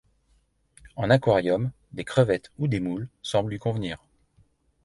En aquarium, des crevettes ou des moules semblent lui convenir.